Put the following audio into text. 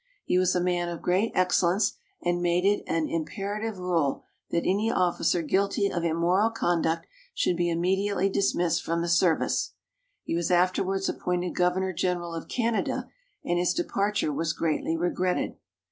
He was a man of great excellence, and made it an impera tive rule that any officer guilty of immoral conduct should be immediately dismissed from the service. He was afterwards appointed governor general of Canada, and his departure was greatly regretted.